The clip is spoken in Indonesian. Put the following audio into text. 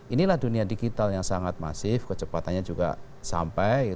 inilah dunia digital yang sangat masif kecepatannya juga sampai